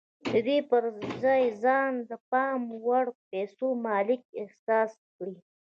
د دې پر ځای ځان د پام وړ پيسو مالک احساس کړئ.